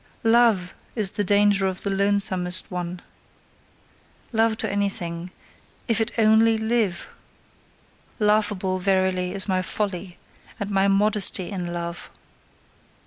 LOVE is the danger of the lonesomest one, love to anything, IF IT ONLY LIVE! Laughable, verily, is my folly and my modesty in love!